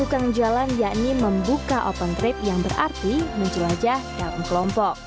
tukang jalan yakni membuka open trip yang berarti menjelajah dalam kelompok